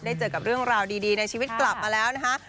เจอกับเรื่องราวดีในชีวิตกลับมาแล้วนะคะ